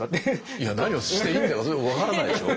いや何をしていいんだかそれ分からないでしょう。